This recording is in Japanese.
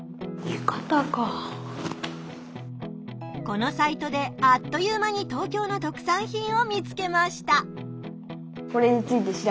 このサイトであっという間に東京の特産品を見つけました。